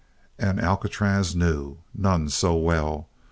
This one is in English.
And Alcatraz knew, none so well!